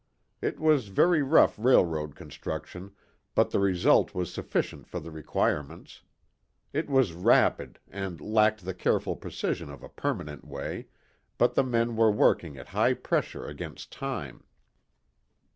It was very rough railroad construction, but the result was sufficient for the requirements. It was rapid, and lacked the careful precision of a "permanent way," but the men were working at high pressure against time.